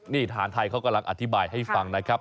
นี่ทหารไทยเขากำลังอธิบายให้ฟังนะครับ